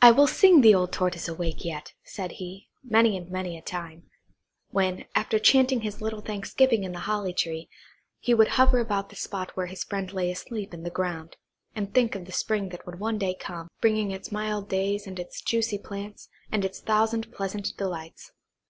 "I will sing the old Tortoise awake yet," said he, many and many a time, when, after chanting his little thanksgiving in the holly tree, he would hover about the spot where his friend lay asleep in the ground, and think of the spring that would one day come, bringing its mild days and its juicy plants, and its thousand pleasant delights.